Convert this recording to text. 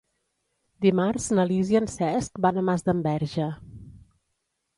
Dimarts na Lis i en Cesc van a Masdenverge.